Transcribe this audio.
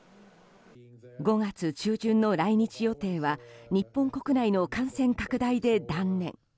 ５月中旬の来日予定は日本国内の感染拡大で断念。